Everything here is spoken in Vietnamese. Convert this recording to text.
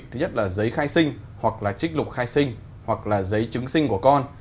thứ nhất là giấy khai sinh hoặc là trích lục khai sinh hoặc là giấy chứng sinh của con